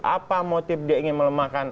apa motif dia ingin melemahkan